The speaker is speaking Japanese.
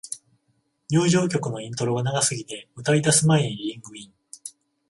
入場曲のイントロが長すぎて、歌い出す前にリングイン